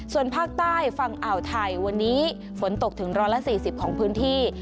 ส่วนภาคใต้ฝั่งอ่าวไทยวันนี้ฝนตกถึงร้อยละสี่สิบของพื้นที่